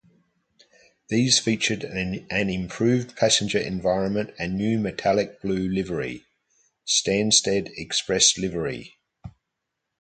These featured an improved passenger environment and new metallic blue livery Stansted Express livery.